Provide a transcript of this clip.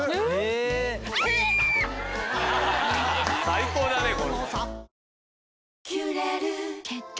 最高だね！